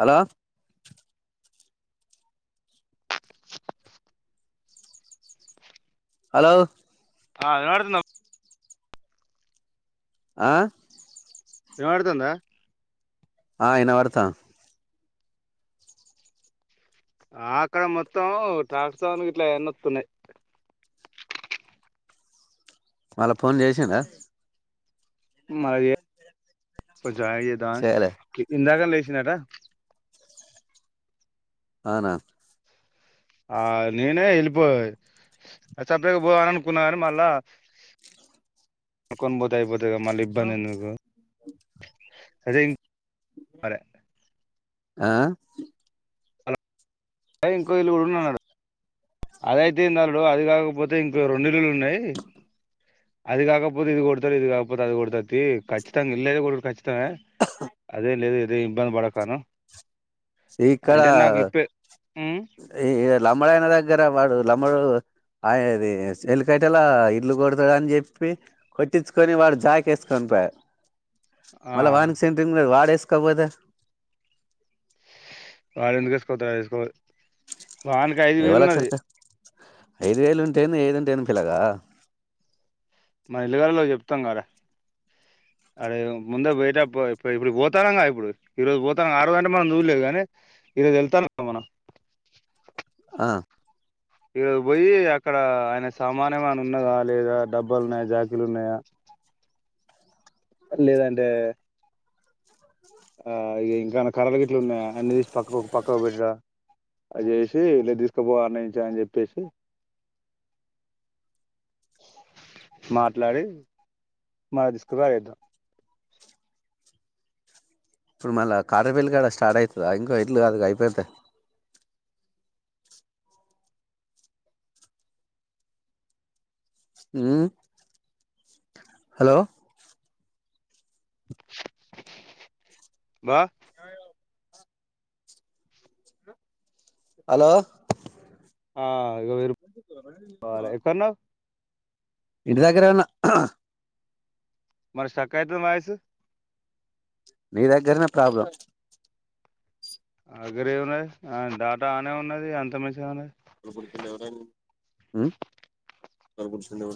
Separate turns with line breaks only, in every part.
Hello hello
ఆ వినబడుతుంద
ఆ
వినబడుతుందా
ఆ వినబడుతాం
ఆక్కడ మొత్తం ట్రాక్టర్ గిట్ల ఎన్నుకున్నయ్
మళ్ళ ఫోన్ చేశిన్రా
మరి కొంచం ఆగి చెద్దామ
చేయలే
ఇందాక లేచిన్ వచ్చిందట
ఆనా
ఆ నేనే ఎళ్ళిపో సపరేడక అనుకున్నాని మళ్ళా కొనుకొని పోతే అయిపోతు అంతేగా మళ్ళీ ఇబ్బంది ఎందుకు సదేయి పలే
ఆ
అ ఇంకో ఇల్లుఉన్నడు అదయితేంది అల్లుడు. అది కాకపోతే ఇంక రెండు ఇల్లులు ఉన్నాయి. అది కాకపోతే ఇది కొడతారు. ఇది కాకపోతే అది కొడతరు. తీ ఖచ్చితంగా ఇల్లఐతే ఖచ్చిత త అది లేదుగ అదే ఇబ్బంది పడకను
సి ఇక్కడ
ఉమ్,
ఈ లంబడైనా దగ్గర వాడు లంబాడోడు అయది సెల్ కట్టేలా ఇల్లు కొడతా. అని చెప్పి కొట్టించుకొని వాడు జాక్ ఏసుకొనిపోయారు.
ఆ,
మళ్ల వాని కి సెంట్రింగ్ లేదు వాడేస్ ఇంకబోతే
వాలేందుకేసుకొద ఏసుకోవాలి వానికి ఐదు వేలు ఉన్నది.
ఎవలెక్కడికి ఐదు వేలు ఉంటేంది ఏది ఉంటేంది పిలగా
మన ఇల్లుగలలో చెప్తాం కదా అరే ముందే పోయిట పో ఇప్పుడు పోతానంగా ఇప్పుడు ఈ రోజు పోతాను ఆరోజంటే మనం చూడలేదు గని ఈరోజు వెళ్తానం కదా మనం
ఆ
ఈరోజు పోయి అక్కడ ఆయన సామాన్ఎమన్నా ఉన్నదా లేదా డబ్బలు ఉన్నాయ జాకిలు ఉన్నాయా లేదంటే ఆ ఇగ ఇంకా ఏన కర్రలు గిట్ల ఉన్నయా అన్ని తీసి పక్క ప పక్క పెడ్డా అది చేసి రేపు తీసుకుపో అనేసి అని చెప్పేసి మాట్లాడి మన తీసుకుపోయిఆడేద్దాం.
ఇప్పుడు మళ్ళ కాట్రపెల్లి కాడ స్టార్ట్ ఐతదా ఇంకో ఇట్లు కాదు అయిపోతే ఊ హలో
వా
అ హలో
ఆ
ర రె ఇంటి దగ్గరే ఉన్న
మరి శ్రక్ ఐతంది వాయిస్
నీ దగ్గరనే ప్రాబ్లం
నాదగ్గరేమున్నది ఆ డాటా ఆనే ఉన్నది అంత మంచిగనె ఉన్నది
ఊ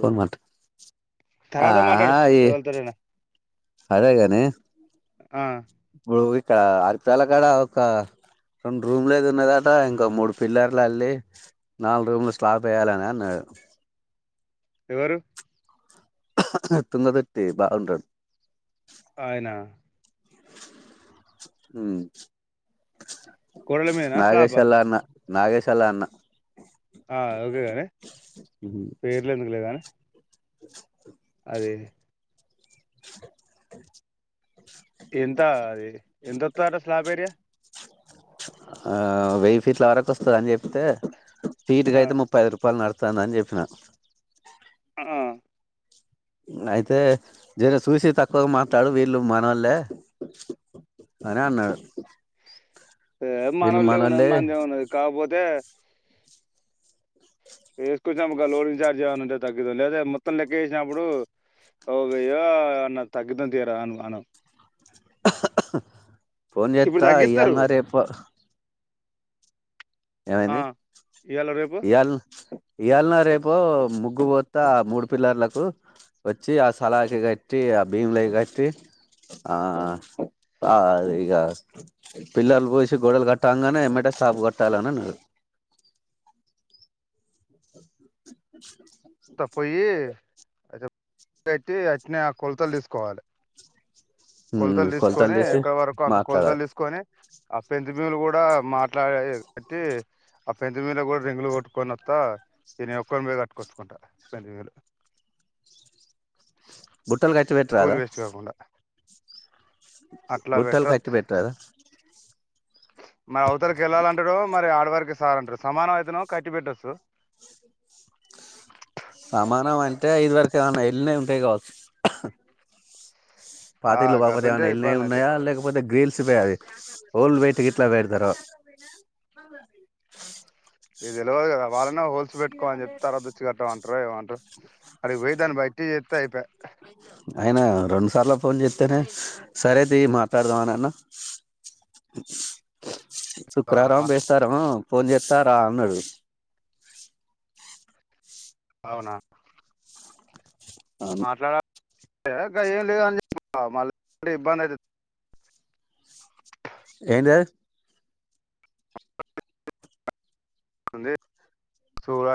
పోన్ మాట్లాడ
తర్వాత మాట్లాడు ఎవలతోనైనా
అదెగాని
ఆ
ఇప్పుడు ఇక్కడ ఆదిత్యల కాడ ఒక రెండు రూమ్లు ఏది ఉన్నదట ఇంకా మూడు పిల్లర్లు అల్లి నాలుగు రూమ్లు స్లాప్ ఎయాలని అన్నాడు
ఎవరు
ఎతుంద తట్టే బాగుంటడి
అయినా
అ
గోడల మీదనా స్లాబా
నాగేశలా అన్న నాగేశలా అన్న
ఆ ఓకేగానే పేర్లు ఎందుకు లే గాని అే ఎంత అది ఎంతొస్తారా స్లాబేరియా
ఆ వెయ్యి ఫీట్ల వరకు వస్తుంద అని చెప్తే సీటు
ఆ,
అయితే ముప్పైదు రూపాయలు నడు వస్తుందని చెప్పినా
ఆ
అయితే జర చూసి తక్కువగా మాట్లాాడు వీళ్ళు మనవల్లే అని అన్నాడు వీళ్ళు
మనళ ఉన్నది
మనోళ్లే
మంచి ఉన్నది కాకపోతే ద వేసుకొచ్చాము ఒక లోలిన్ చార్జ్ ఏవనా ఉంటే తగ్గితాం లేదా మొత్తం లెక్క వేసినప్పుడు ఓయ అన్న తగ్గిద్దం తీరా అ అను
పోన్
ఇప్పుడు
చేత్తా
తగ్గిస్తారు
ఇయ్యళన్నారుారే ఎప్ప
ఆ,
ఏమైంది
ఇవాళ రేపు
ఇయాళ ఇవాళనా రేపు ముగ్గుపోతా ఆ మూడు పిల్లర్లకు వచ్చి ఆ సలాకి కట్టి ఆ భీములై కట్టి ఆ ఆ ఆది ఇగ పిల్లర్లు పోసి గొడలు కట్టాంగానే ఏమంటే స్లాపు క కట్టాలని అన్నాడు [unintelligible]
త పోయి అతే పెట్టి అట్నే ఆ కొలతలు తీసుకోవాలే
ఉమ్
కొలతలు తీసుకొని
తీసి
ఎక్కడి వరకు అంత కొలతలు
మాట్లాడాలి
తీసుకొని ఆ పెంత బీమ్లు కూడా మాట్లా ఆ కాట్టి ఆ పెంత బీమ్లు కూడా రింగులు కొట్టుకొని వత్తా ఇగ నేను ఒక్కని పోయి కట్టుకొ కుంట ఎనిమిది వేయిలు
బుట్టలు కట్ పెట్టి రా అదా
అట్లా
బుట్టలు
బెటర్
కట్ పెట్టరాధ
మరి అవతలకి వెళ్ళాలంటాడు మరి ఆడ వరకి సాల్అంటారు సమానం అయితేనో కట్టి పెట్టొచ్చు
సమానం అంటే ఇది వరకు ఏమన్నా ఎల్లినయ్ ఉంటాయి కావచ్చు పాత
ఆ
ఇల్లు బాపతియి
గసంటే
ఏమైనా వెళ్లినాయి
ఇబ్బంది అయితే
ఉన్నాయా లేకపోతే గ్రీల్ సువ్వే అది హోల్ పెట్టి గిట్ల పెడతారు
ఇగ తెల్వదుగా వాళ్లనే హోల్ తెచ్చ పెట్టుకో అని చెప్తా తరువాత వచ్చి కట్ట అంటారు ఏమంటారు అడికి పోయి దాన్ని బట్టి చెస్తా అయిపో
ఆయన రెండుసార్లు ఫోన్ చేస్తేనే సరేతీయి మాట్లాడదామని అన్న శుక్రారం బెస్తారామో ఫోన్ చేస్తా రా అన్నాడు
అవునా
అవును
గ ఏం లేదు అని చెప్ప మళ్ళీ ఇబ్బంది అయితది
ఏంటిది అది
లే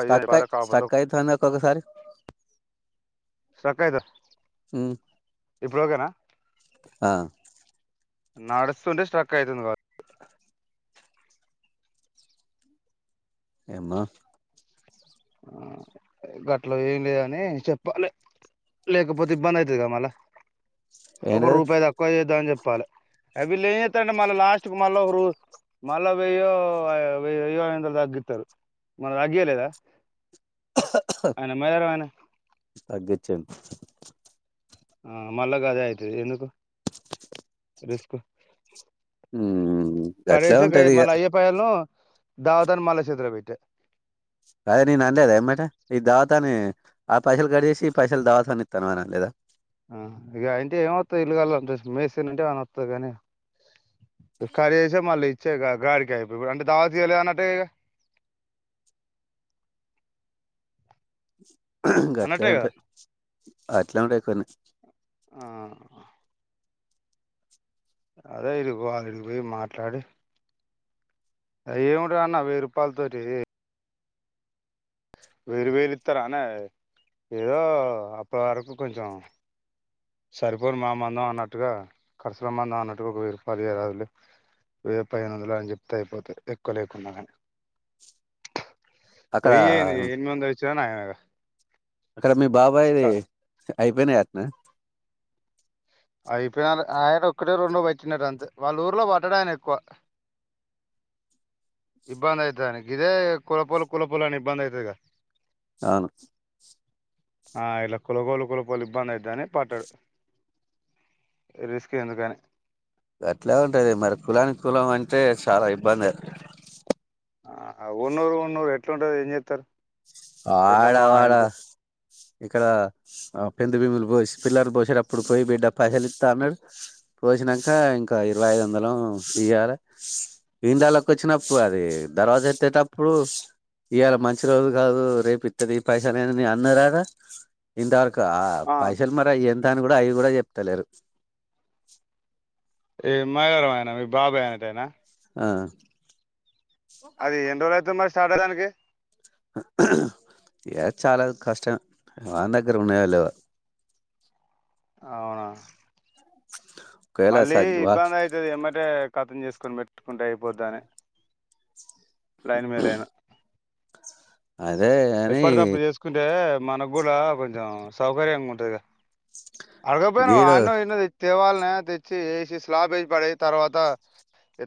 స్టక్ అయి స్టక్ అయితది ఒక్కొక్కసారి
స్టక్ అయిత
ఊ
ఇప్పుడు ఓకేనా
ఆ
నడుస్తుంటే స్టక్ అయితుంది కావ
ఏమో
గట్ల ఏం లేదని చెప్పాలి లేకపోతే ఇబ్బంది అయితది గా మళ్ళా ఒక
ఏంటిది
రూపాయి తక్కువ చేద్దామని చెపు చెప్పాలి అ వీళ్ళు ఏం చెస్తారంటే మళ్ళీ లాస్ట్ క మళ్ళా ఒక రో మళ్ళా వెయ్యో వెయ్యో ఐదు వందలు తగ్గిస్తారు మొన్న తగ్గయలేదా అన్న మర అనే
చెప్పు
ఆ మల్ల గదే అయితది ఎందుకు రిస్క్
ఉమ్ గట్లానే ఉంటంది ఇగ
ధావత్ అని మల్ల చేతులపెట్టే
అదే నేన్ అన్లేదాఎమ్మటే ఈ ధావత్ ఇస్తని ఆ పైసలు కడిచేసి ఈ పైసలు ధావత్ అని ఇస్తానావ అని అన్లేదా
ఆ ఇగ అ ఇంటే ఏమవత్తది ఇల్లుగలోల్ అంట మేస్త్రిని అంటే ఏమన్న వత్తది కానీ ఇప్పుడు కాలిచేస్తే మళ్ళీ ఇచ్చేగా గాడికె అయిపాయే ఇప్పుడు అంటే దధావత్ ఇయలేదన్నట్టే గా ఇగ
గట్లే
కదా
ఉంటయి అట్లే ఉంటయి కొన్ని
ఆ అదే ఈడికి పోవాలి ఈడికిపోయి మాట్లాడి ఎం ఉంటది అన్న వెయ్యి రూపాయల తోటి వేరు వేరు ఇత్తరాఅనే ఏదో అప్పటి వరకు కొంచెం సరిపోను మా మందం అన్నట్టుగా కరుసుల మందం అన్నట్టుగా ఒక వేయి రూపాయలు ఈయరదుల్లి వెయ్య పదిహేను వందలో అని చెప్తే అయిపోతది ఎక్కువ లేకున్నా కానీ
అక్కడ
వేయి ఏంది ఎనిమిది వందలు ఇచ్చిన నయమే
అక్కడ మీ బాబాయిది
క
అయిపోయినయి అట్నా
అయిపోయినాల ఆయన ఒక్కటే రెండో వట్టినరు అంతే వాళ్ళ ఊర్లో వట్టడు ఆయన ఎక్కువ ఇబ్బంది అయితది ఆయనకి ఇదే కులపోలు కులపోలు అని ఇబ్బంది అయితది కదా
అవును
ఆ ఇలా కులపోలు కులపోలు ఇబ్బంది అయితదని పట్టడు. రిస్క్ ఎందుకని
అట్లే ఉంటది మరి కులానికి కులం అంటే చాలా ఇబ్బందే
ఆ ఉన్నూరు ఉన్నూరు ఎట్లుంటది ఏం చేస్తారు. ఎంత
ఆడా
మా
వాడా
ఎంత
ఇక్కడ పెందు బిమ్ములు పోసి పిల్లర్ పోసేటప్పుడు పోయి బిడ్డ పైసలు ఇస్తా అన్నాడు, పోసినంక ఇంకా ఇరవై ఐదు వందలేమో ఇయ్యాలే, ఇండ్లలకి వచ్చినప్పుడు అదే, దర్వాజా ఎత్తేటప్పుడు ఇయ్యాల మంచి రోజు కాదు రేపు ఇస్తతీయి పైసా అని అని అన్నరు ఆడా ఇంతవర కు
ఆ
పైసలు మరా ఏం త అని కూడా అవి కూడా చెప్తలేరు.
ఏమ్ మాయరోగం ఆయనా మీ బాబాయ్ అనటైనా
ఆ
అది ఎన్ని రోజులు అయితది మరి సర్దడానికి
ఏ చాలా కష్టం వాని దగ్గర ఉన్నాయో లేవో
అవునా
ఒకవేళ
మళ్ళీ
స
ఇబ్బంది అయితది ఏమ్మటే కటింగ్ చేసు కొని పెట్టుకుంటే అయిపోతది అని ల్యాండ్ మేలు ఐనా
అదే అని
ఎప్పటిది అప్పుడు చేసుకుంటే మన కూడా కొంచెం సౌకర్యంగా ఉంటది గా అడగక పోయినవా
గీడు
ఆన్నం [inaudible] తవాల్ నా తెచ్చి ఏసి స్లాబ్ ఏసి పడే తర్వాత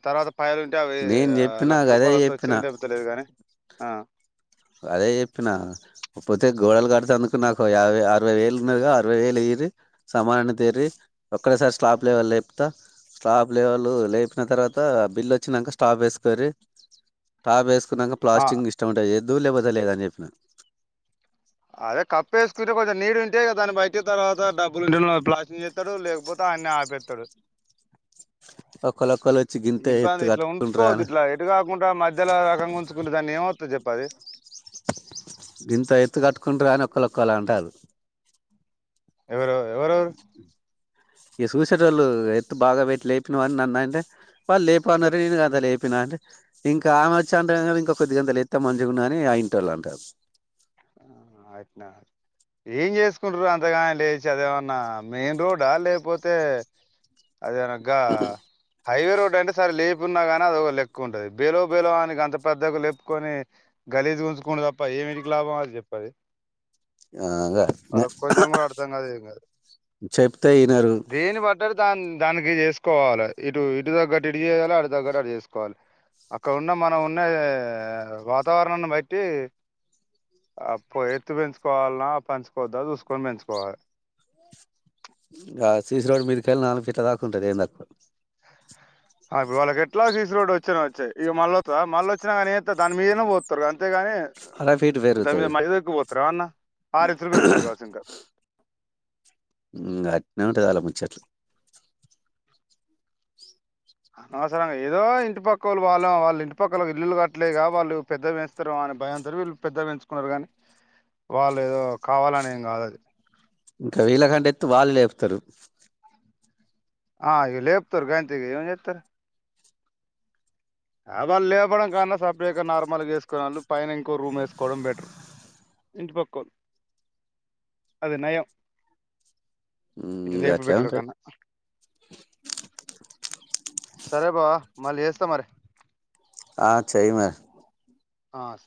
తర్వాత పయలు ఉంటే అవి
నేను చెప్పినా
లక్ష
గదే
రూపాయలు వత్తే
చెప్పినా
వచ్చిండే లేపోతే లేదు గాని ఆ
అదే చెప్పిన పోతే గోడలు కట్టేటందుకు నాకో యాభై అరవై వేలు ఆన్నారుగా అరవై వేలు ఇయిర్రి సామానన్ని తేరి ఒక్కటేసారి స్టాప్ లెవెల్ లేపుతా స్లాప్ లెవలు లేపిన తర్వాత బిల్లు వచ్చినంక స్టాప్ వేసుకోర్రి స్టాప్ వేసుకో కున్నంక
ఆ
ప్లాస్ంటిగ్ ఇష్టముంటే చేద్ దూ లేకపోతే లేదని చెప్పినా
అదే కప్పు వేసుకుంటే కొంచెం నీడు ఉంటే దాన్ని బయట తర్వాత డబ్బులుంటే నో ప్లాస్టింగ్ చేస్తాడు లేకపోతే ఆడనే ఆపేత్తడు
ఒక్కోళ్ళోక్కోలో
ఇబ్బాం గిట్లా ఉంచుకోవద్దు ఇట్లా ఎటు కాకుండా మధ్యలో రకంగా ఉంచుకుంటే దాన్ని ఏమ టు చెప్పది
గింత ఎత్తు కట్టుకుంటారా అని ఒక్కోళ్ళొక్కోలా అంటారు
ఎవరు ఎవరెవరు
ఈ సూసేటోళ్ళు ఎత్తు బాగా పెట్టి లేపినవా అని నన్నంటే వాళ్ళు లేపన్నారు [unintelligible] లేపినా అంటే ఇంకా ఆమె వచ్చి అంటా కా ఇంకా కొద్దిగంత లేపితే మంచిగున్నాదని ఆ ఇంటోళ్ళు అంటారు
ఆశఅట్నా ఏం చేసుకుంటారు అంతగాని లేచి అదేమన్నా మెయిన్ రోడ్ ఆ లేకపోతే అది అనగ్గా హైవే రోడ్ అంటే సరే లేపున్నా కాని అది ఒక లెక్క ఉంటుది బేలో బేలోఆనికి అంత పెద్దగా లేపుకొని గలీజుగుంచుకునుడు తప్ప ఏమిటికి లాభం అది చెప్పది
అగా
కూడా అర్థం కాదు ఏం కాదు
[inaudible] చెప్తే ఇనరు
దాన్ దానికి చేసుకోవాలి ఇటు ఇటు తగ్గట్టు ఇటు చేయాలి అటు తగ్గట్టు అటు చేసుకోవాలి అక్కడన్న మనం ఉన్న వాతావరణాన్ని బట్టి అప్పు ఎత్తు పెంచుకోవాల్నా పంచుకోవద్దా చూసుకొని పెంచుకోవాలి
ఆ సీ సి రోడ్ మీదికెళ్ళి నాలుగు ఫీట్ల దాకా ఉంటది ఏ తక్కువ
రోడ్డు వచ్చినా వచ్చయి ఇగ మళ్ళ మళ్ళ వచ్చినా గానీ దాని మీదనే పోతారుగా అంతేగాని
అర ఫీట్
దాని
పెరుగుతది
మీద [inaudible] ఎక్కువ పోత్తరా అన్న [inaudible] పెరుగుతాది కావచ్చింక
ఇంగ అట్నే ఉంటది ఆళ్ళ ముచ్చట్లు
అనవసరంగా ఏదో ఇంటి పక్కోళ్ళు వాళ్ళ వాళ్ళ ఇంటి పక్కల ఇల్లులు కట్టలేగా వాళ్ళు పెద్దవి పెంచుతారో అని భయంతోని వీళ్ళు పెద్దవి పెంచుకున్నారు కానీ వాళ్ళు ఏదో కావాలని ఏం కాదది
ఇంక వీళ్లకంటే ఎత్తు వాళ్ళు లేపుతారు
ఆ ఇగ లేప్తారు గంతికి ఏం చేత్తారు వాళ్ళు లేపడం కాన్నా సపరేట్గా నార్మల్గా వేసుకుని వాళ్ళు పైన ఇంకో రూమ్ వేసుకోవడం బెటర్ ఇంటి పక్కోళ్ళు అది నయం ఇటు
ఇంగ
లేపి
అట్లే
పెట్టుడు
ఉంటది
కన్నా సరే బావా మళ్ళీ చేస్తా మరి
ఆ చెయ్ మ
ఆ స